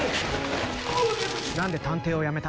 何で探偵をやめた？